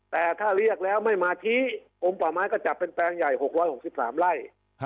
แต่ถ้าเรียกแล้วไม่มาชี้กลมป่าไม้ก็จับเป็นแปลงใหญ่๖๖๓ไร่